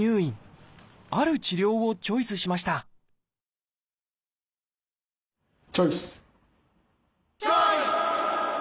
ある治療をチョイスしましたチョイス！